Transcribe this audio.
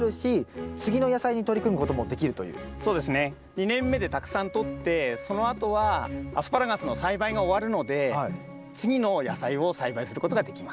２年目でたくさんとってそのあとはアスパラガスの栽培が終わるので次の野菜を栽培することができます。